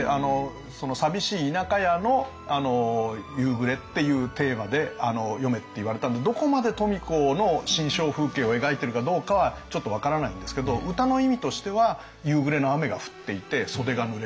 寂しい田舎家の夕暮れっていうテーマで詠めっていわれたんでどこまで富子の心象風景を描いてるかどうかはちょっと分からないんですけど歌の意味としては夕暮れの雨が降っていて袖がぬれると。